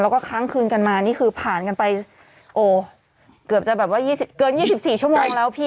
แล้วก็ค้างคืนกันมานี่คือผ่านกันไปโอ้เกือบจะแบบว่าเกิน๒๔ชั่วโมงแล้วพี่